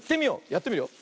やってみるよ。